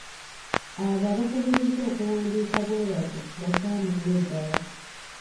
Abo abakubiriza okuwandiika bwe batyo bakyamu nnyo ddala.